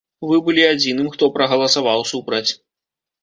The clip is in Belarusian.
Вы былі адзіным, хто прагаласаваў супраць.